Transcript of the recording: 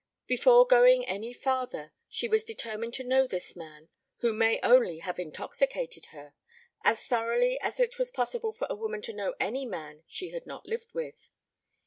Before going any farther she was determined to know this man, who may only have intoxicated her, as thoroughly as it was possible for a woman to know any man she had not lived with.